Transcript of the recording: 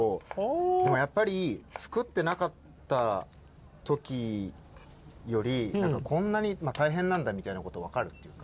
でもやっぱり作ってなかった時よりこんなに大変なんだみたいなこと分かるっていうか。